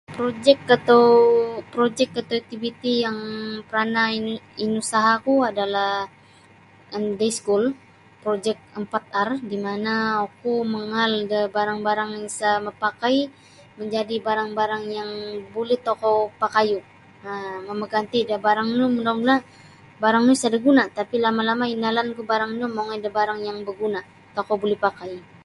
Projik atau projik atau aktiviti yang pranah inusaha'ku adalah um da iskul projik ampat R di mana' oku mangaal da barang-barang isa mapakai manjadi barang-barang yang buli tokou pakayun um mamaganti' da barang no mula-mula' barang no sada' guna tapi lama-lama inalanku barang no mongoi da barang yang baguna' tokou buli pakai.